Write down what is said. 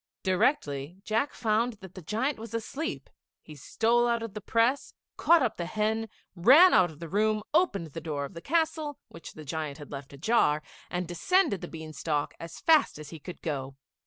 Directly Jack found that the giant was asleep, he stole out of the press, caught up the hen, ran out of the room, opened the door of the castle, which the giant had left ajar, and descended the bean stalk as fast as he could go.